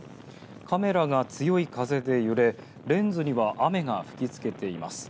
カメラが強い風で揺れレンズには雨が吹きつけています。